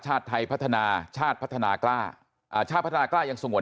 ชาติไทยพัฒนาชาติพัฒนากล้าอ่าชาติพัฒนากล้ายังสงวน